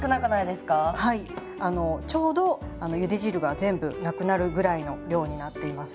ちょうどゆで汁が全部なくなるぐらいの量になっています。